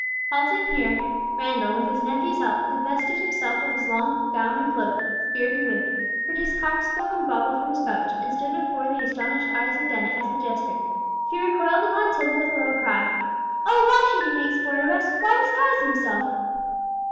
Halting here, Randall, with his nephew's help, divested himself of his long gown and cloak, his beard and wig, produced cockscomb and bauble from his pouch, and stood before the astonished eyes of Dennet as the jester! She recoiled upon Tibble with a little cry, "Oh, why should he make sport of us? Why disguise himself?"